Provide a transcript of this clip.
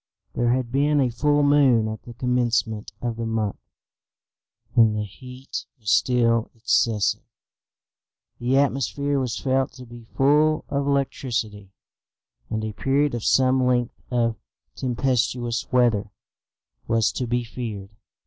There had been a full moon at the commencement of the month, and the heat was still excessive. The atmosphere was felt to be full of electricity, and a period of some length of tempestuous weather was to be feared.